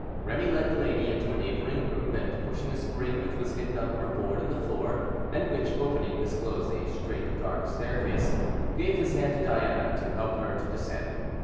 Remy led the lady into a neighboring room; and pushing a spring which was hidden under a board in the floor, and which, opening, disclosed a straight dark staircase, gave his hand to Diana to help her to descend.